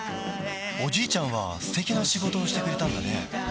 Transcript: おじいちゃんは素敵な仕事をしてくれたんだね